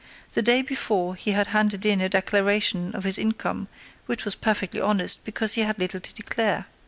The day before he had handed in a declaration of his income, which was perfectly honest, because he had little to declare.